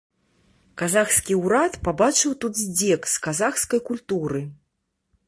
Казахскі ўрад пабачыў тут здзек з казахскай культуры.